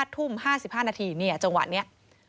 ๕ทุ่ม๕๕นาทีเนี่ยจังหวะเนี่ย